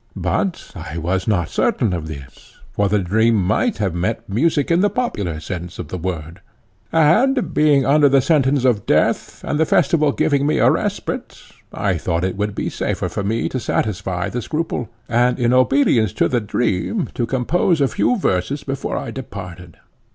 But I was not certain of this, for the dream might have meant music in the popular sense of the word, and being under sentence of death, and the festival giving me a respite, I thought that it would be safer for me to satisfy the scruple, and, in obedience to the dream, to compose a few verses before I departed.